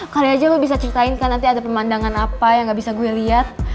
karya aja gue bisa ceritain kan nanti ada pemandangan apa yang gak bisa gue lihat